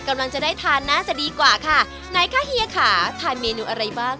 กำลังจะได้ทานน่าจะดีกว่าค่ะไหนคะเฮียค่ะทานเมนูอะไรบ้าง